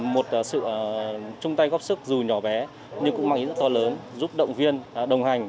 một sự chung tay góp sức dù nhỏ bé nhưng cũng mang ý rất to lớn giúp động viên đồng hành